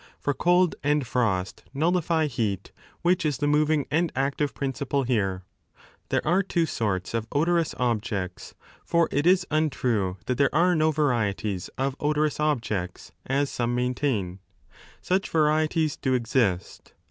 For cold and frost nullify heat, which is the moving and active principle here. There are two sorts ^ of odorous objects; for it is untrue that there are no varieties of odorous objects, as some maintain. Such varieties do exist.